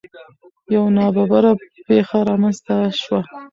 یو نا ببره پېښه رامنځ ته شوه.